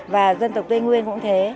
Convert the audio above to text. và dân tộc tây nguyên cũng thế